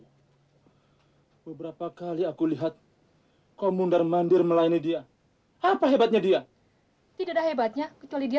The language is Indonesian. hai beberapa kali aku lihat kau mundar mandir melayani dia apa hebatnya dia tidak hebatnya kecuali dia